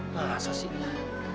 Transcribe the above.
masa sih ini